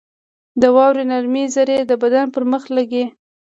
• د واورې نرمې ذرې د بدن پر مخ لګي.